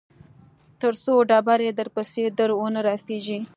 تر څو ډبرې درپسې در ونه رسېږي.